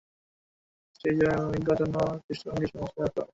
ত্রয়ী জড়িত ব্যক্তিদের লিঙ্গ এবং যৌন দৃষ্টিভঙ্গির সংমিশ্রণ থাকতে পারে।